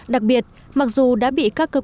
đặc biệt mặc dù đã bị các cơ bản